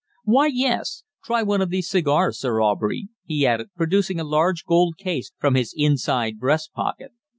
"Why, yes. Try one of these cigars, Sir Aubrey," he added, producing a large gold case from his inside breast pocket.